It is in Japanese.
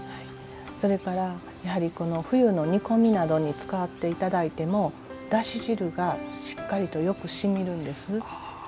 それからやはり冬の煮込みなどに使って頂いてもだし汁がしっかりとよくしみるんです。